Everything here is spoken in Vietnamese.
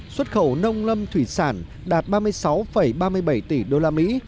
xuất khẩu nông lâm thủy sản đạt ba mươi sáu ba mươi bảy tỷ đô la mỹ